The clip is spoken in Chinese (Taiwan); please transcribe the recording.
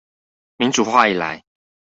民主化以來